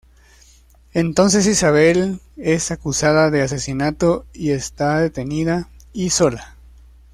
Entonces Isabel es acusada de asesinato y está detenida y sola.